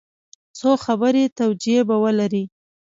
څو خبري توجیې به ولري.